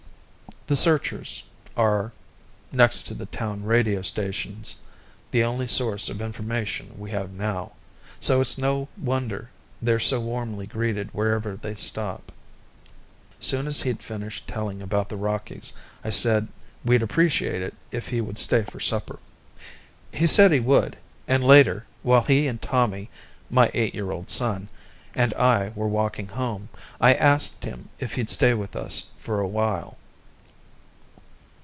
The Searchers are, next to the town radio stations, the only source of information we have now, so it's no wonder they're so warmly greeted wherever they stop. Soon as he'd finished telling about the Rockies, I said we'd appreciate it if he would stay for supper. He said he would, and later, while he and Tommy, my eight year old son, and I were walking home, I asked him if he'd stay with us for a while.